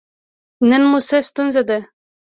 نن مو څه ستونزه ده؟